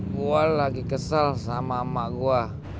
gua lagi kesel sama emak gua